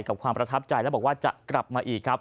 ความประทับใจและบอกว่าจะกลับมาอีกครับ